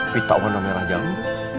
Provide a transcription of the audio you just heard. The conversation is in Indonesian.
pita warna merah jambu